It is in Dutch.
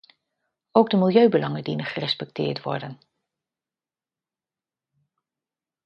Ook de milieubelangen dienen gerespecteerd worden.